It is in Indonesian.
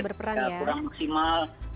jadi sedikit kurang maksimal